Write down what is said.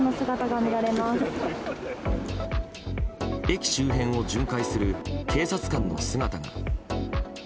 駅周辺を巡回する警察官の姿が。